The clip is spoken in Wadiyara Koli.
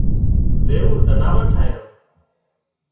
زيوَ زناور ٺاهيان